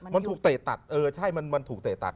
มันถูกเตะตัดเออใช่มันถูกเตะตัด